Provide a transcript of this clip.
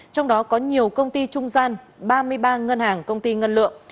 trong đó có nhiều công ty trung gian ba mươi ba ngân hàng công ty ngân lượng